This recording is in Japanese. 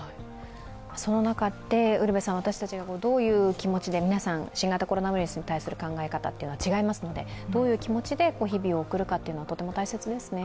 その中で私たちがどういう気持ちで皆さん、新型コロナウイルスに対する気持ちは違いますので、どういう気持ちで日々を送るかってとても大切ですね。